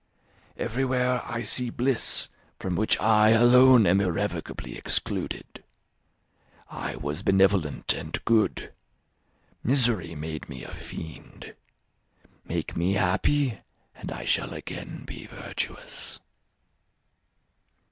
Everywhere I see bliss, from which I alone am irrevocably excluded. I was benevolent and good; misery made me a fiend. Make me happy, and I shall again be virtuous."